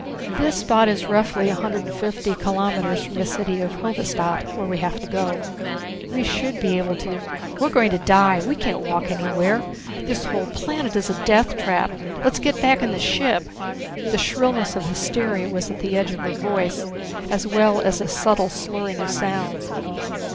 "This spot is roughly a hundred and fifty kilometres from the city of Hovedstad, where we have to go. We should be able to " "We're going to die. We can't walk anywhere. This whole planet is a death trap. Let's get back in the ship!" The shrillness of hysteria was at the edge of her voice, as well as a subtle slurring of sounds.